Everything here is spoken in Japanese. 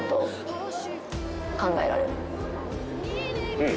うん。